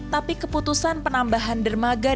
tapi keputusan penambahan dermagang